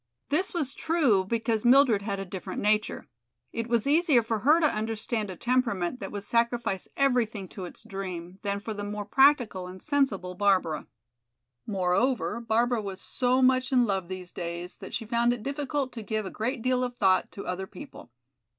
This was true because Mildred had a different nature; it was easier for her to understand a temperament that would sacrifice everything to its dream, than for the more practical and sensible Barbara. Moreover, Barbara was so much in love these days that she found it difficult to give a great deal of thought to other people.